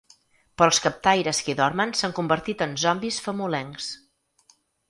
Però els captaires que hi dormen s’han convertit en zombis famolencs.